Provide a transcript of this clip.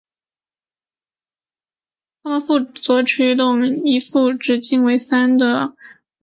它们各负责驱动一副直径为的三叶螺旋桨。